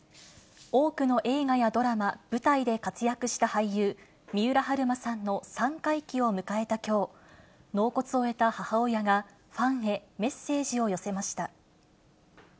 多くの映画やドラマ、舞台で活躍した俳優、三浦春馬さんの三回忌を迎えたきょう、納骨を終えた母親が、ファンへメッセージを寄せました。